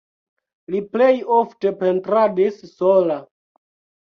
Li plej ofte pentradis sola.